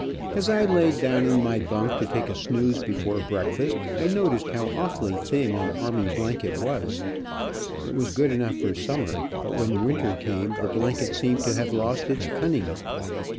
As I laid down in my bunk to take a snooze before breakfast, I noticed how awfully thin an army blanket was. It was good enough for summer, but when winter came the blanket seemed to have lost its cunning.